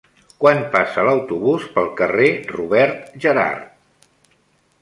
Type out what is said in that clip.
Quan passa l'autobús pel carrer Robert Gerhard?